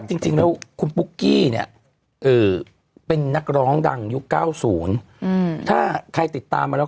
จริงแล้วคุณปุ๊กกี้เนี่ยเป็นนักร้องดังยุค๙๐ถ้าใครติดตามมาแล้ว